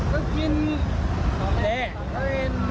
ก็กินสอบเต้น